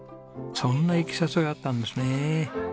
そんないきさつがあったんですね。